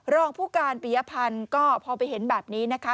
รองผู้การปียพันธ์ก็พอไปเห็นแบบนี้นะคะ